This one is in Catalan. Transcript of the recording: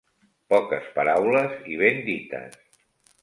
Poques paraules i ben dites